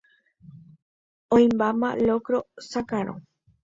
oĩmbáma locro sakarõ.